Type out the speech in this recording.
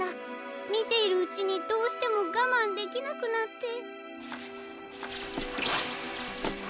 みているうちにどうしてもがまんできなくなって。